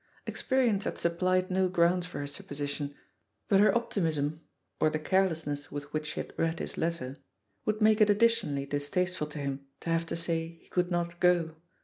'* Experience had sup plied no grounds for her supposition, but her optimism — or the carelessness with which she had read his letter — ^would make it additionally dis tasteful to him to have to say he could not go.